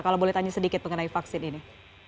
kalau boleh tanya sedikit mengenai vaksin ini